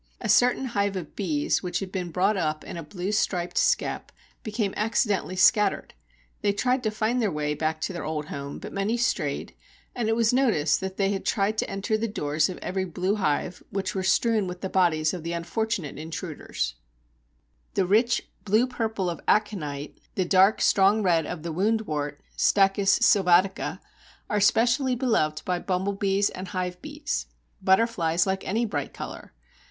A certain hive of bees which had been brought up in a blue striped skep became accidentally scattered. They tried to find their way back to their old home, but many strayed, and it was noticed that they had tried to enter the doors of every blue hive, which were strewn with the bodies of the unfortunate intruders. Von Buttel, Respen. The rich blue purple of Aconite, the dark strong red of the Woundwort (Stachys silvatica) are specially beloved by bumble bees and hive bees. Butterflies like any bright colour.